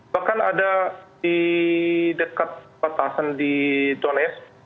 bahkan ada di dekat batasan di donetsk